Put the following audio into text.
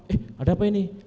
eh ada apa ini